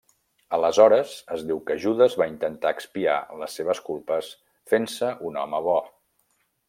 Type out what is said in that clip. Aleshores, es diu que Judes va intentar expiar les seves culpes fent-se un home bo.